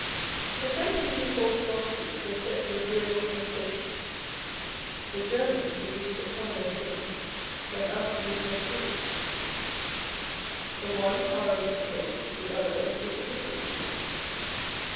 The French reduce all philosophy to a set of agreeable sensations : the Germans reduce the commonest things to an abstruse metaphysics. The one are a mystical, the other a superficial people.